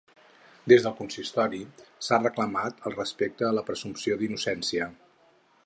Des del consistori s’ha reclamat el respecte a la presumpció d’innocència.